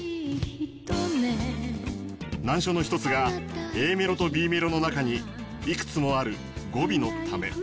難所の一つがＡメロをＢメロの中にいくつもある語尾のため。